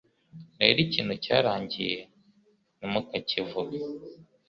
rero ikintu cyarangiye ni "mukakivuge